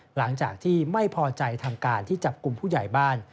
หลังจากที่ไม่พอใจทางการที่จับกลุ่มผู้ใหญ่บ้าน